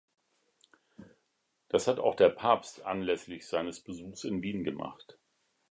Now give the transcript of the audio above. Das hat auch der Papst anlässlich seines Besuchs in Wien gemacht.